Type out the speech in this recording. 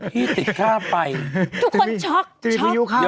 พี่ติดค่าไปจะมีถูกยุค่าหรอลูกเฮียช็อค